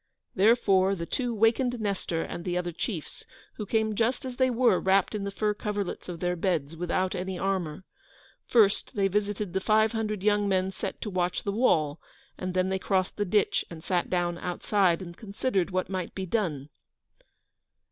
Therefore the two wakened Nestor and the other chiefs, who came just as they were, wrapped in the fur coverlets of their beds, without any armour. First they visited the five hundred young men set to watch the wall, and then they crossed the ditch and sat down outside and considered what might be done.